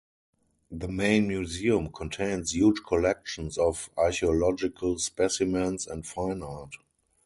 The main museum contains huge collections of archaeological specimens and fine art.